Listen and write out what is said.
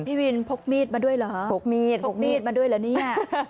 พี่วินพกมีดมาด้วยเหรอพกมีดพกมีดมาด้วยเหรอเนี่ย